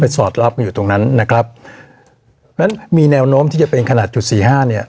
ไปสอดลับอยู่ตรงนั้นนะครับแล้วมีแนวโน้มที่จะเป็นขนาดจุดสี่ห้าเนี้ย